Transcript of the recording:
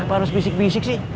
harus bisik bisik sih